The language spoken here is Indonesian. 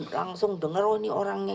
langsung denger oh ini orangnya